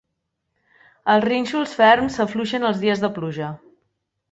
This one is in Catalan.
Els rínxols ferms s'afluixen els dies de pluja.